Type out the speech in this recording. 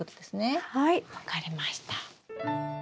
はい分かりました。